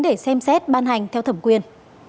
để xem xét ban hành theo thẩm quyền